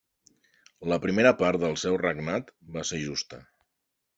La primera part del seu regnat va ser justa.